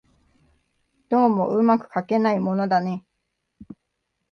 どうも巧くかけないものだね